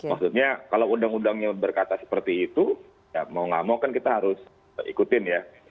maksudnya kalau undang undangnya berkata seperti itu ya mau gak mau kan kita harus ikutin ya